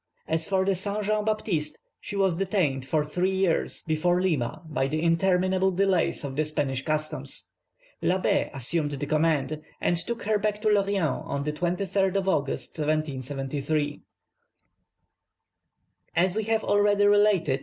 As for the Saint Jean Baptiste, she was detained "for three years" before Lima by the interminable delays of the Spanish customs. Labbé assumed the command, and took her back to Lorient on the 23rd of August, 1773. As we have already related, M.